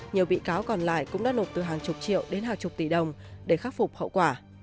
nhiều bị cáo còn lại cũng đã nộp từ hàng chục triệu đến hàng chục tỷ đồng để khắc phục hậu quả